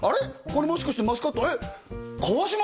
これもしかしてマスカットえっ川島！？